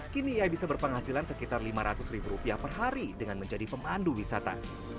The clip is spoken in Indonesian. kini ia bisa berpenghasilan sekitar lima ratus ribu rupiah per hari dengan menjadi pemandu wisata